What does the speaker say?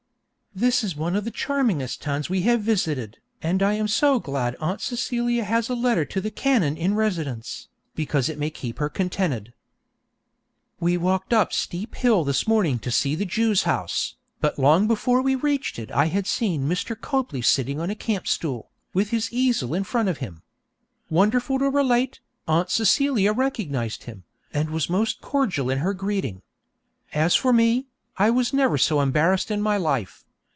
This is one of the charmingest towns we have visited, and I am so glad Aunt Celia has a letter to the Canon in residence, because it may keep her contented. We walked up Steep Hill this morning to see the Jews' house, but long before we reached it I had seen Mr. Copley sitting on a camp stool, with his easel in front of him. Wonderful to relate, Aunt Celia recognised him, and was most cordial in her greeting. As for me, I was never so embarrassed in my life.